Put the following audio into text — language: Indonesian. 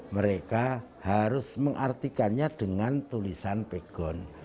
mereka harus mengartikannya dengan tulisan pegon